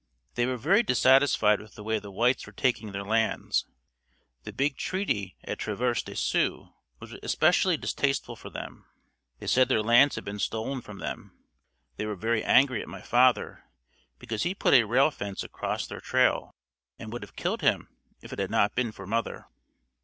They were very dissatisfied with the way the whites were taking their lands. The big treaty at Traverse de Sioux was especially distasteful to them. They said their lands had been stolen from them. They were very angry at my father because he put a rail fence across their trail and would have killed him if it had not been for mother.